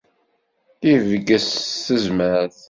Ibges s tezmert.